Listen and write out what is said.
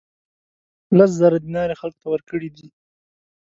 لس زره دینار یې خلکو ته ورکړي دي.